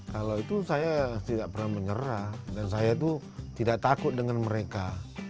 kalau itu saya tidak pernah menyerah dan saya itu tidak takut dengan mereka